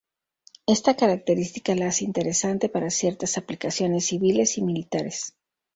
Esta característica lo hace interesante para ciertas aplicaciones civiles y militares.